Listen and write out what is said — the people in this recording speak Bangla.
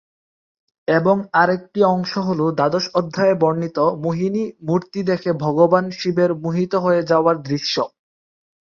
এবং আর একটি অংশ হল দ্বাদশ অধ্যায়ে বর্ণিত মোহিনী মূর্তি দেখে ভগবান শিবের মোহিত হয়ে যাওয়ার দৃশ্য।